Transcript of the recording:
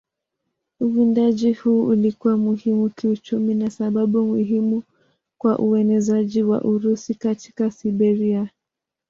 Uwindaji huu ulikuwa muhimu kiuchumi na sababu muhimu kwa uenezaji wa Urusi katika Siberia.